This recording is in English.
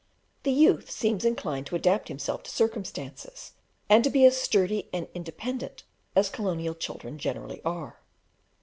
The youth seems inclined to adapt himself to circumstances, and to be as sturdy and independent as colonial children generally are.